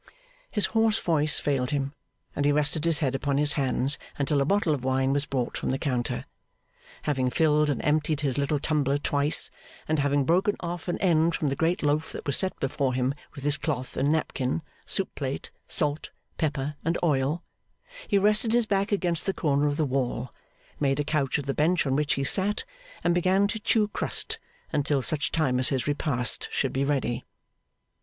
His hoarse voice failed him, and he rested his head upon his hands until a bottle of wine was brought from the counter. Having filled and emptied his little tumbler twice, and having broken off an end from the great loaf that was set before him with his cloth and napkin, soup plate, salt, pepper, and oil, he rested his back against the corner of the wall, made a couch of the bench on which he sat, and began to chew crust, until such time as his repast should be ready.